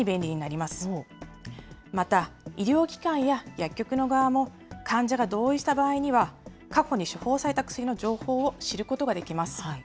また、医療機関や薬局の側も、患者が同意した場合には、過去に処方された薬の情報を知ることができます。